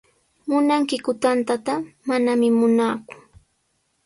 ¿Munankiku tantata? Manami munaaku.